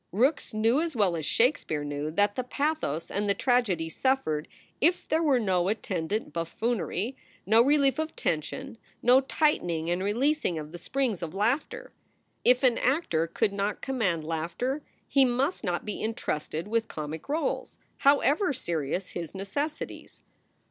Rookes knew as well as Shakespeare knew, that the pathos and the tragedy suffered if there were no attendant buffoon ery, no relief of tension, no tightening and releasing of the springs of laughter. 212 SOULS FOR SALE If an actor could not command laughter he must not be intrusted with comic roles, however serious his necessities.